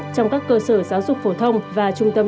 trong các cơ sở giáo dục phổ thông và trung tâm